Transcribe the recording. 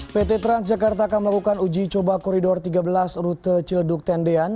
pt transjakarta akan melakukan uji coba koridor tiga belas rute ciledug tendean